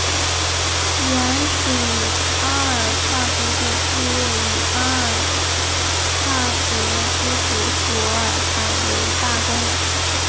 原属阿尔帕德的部落以阿尔帕德之子索尔坦为大公。